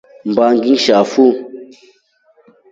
Mba ngishafu.